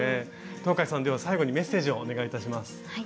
東海さんでは最後にメッセージをお願いいたします。